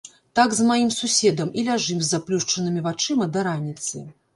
Так з маім суседам і ляжым з заплюшчанымі вачыма да раніцы.